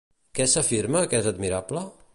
Què s'afirma que és admirable?